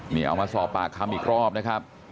นี่เอามาสอบปากคำอีกรอบนะครับ